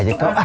ah ah kau kan